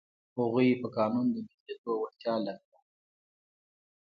هغوی په قانون د بدلېدو وړتیا لرله.